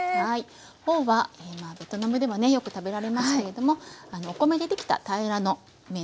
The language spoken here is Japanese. フォーはベトナムではねよく食べられますけれどもお米でできた平らの麺ですね。